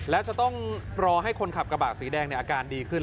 แล้วจะต้องรอให้คนขับกระบะสีแดงในอาการดีขึ้น